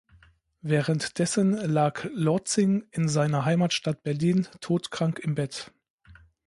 Währenddessen lag Lortzing in seiner Heimatstadt Berlin todkrank im Bett.